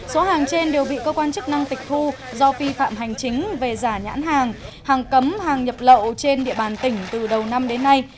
số hàng trên đều bị cơ quan chức năng tịch thu do vi phạm hành chính về giả nhãn hàng cấm hàng nhập lậu trên địa bàn tỉnh từ đầu năm đến nay